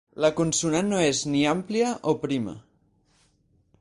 La consonant no és ni àmplia o prima.